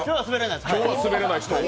今日はスベれない。